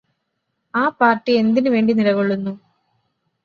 ആ പാർടി എന്തിനു വേണ്ടി നിലകൊള്ളുന്നു